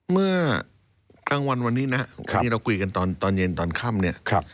เมื่อกลางวันวันนี้นะวันนี้เราคุยกันตอนเย็นตอนค่ำเนี่ย